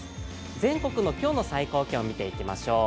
全国の今日の最高気温、見ていきましょう。